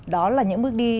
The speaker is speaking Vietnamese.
đó là những bước đi